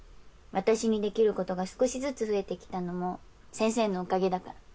私にできることが少しずつ増えてきたのも先生のおかげだから。